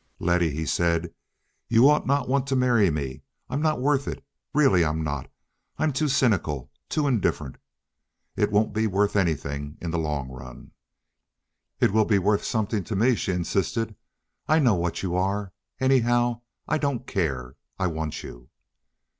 "Letty," he said. "You ought not to want to marry me. I'm not worth it. Really I'm not. I'm too cynical. Too indifferent. It won't be worth anything in the long run." "It will be worth something to me," she insisted. "I know what you are. Anyhow, I don't care. I want you!"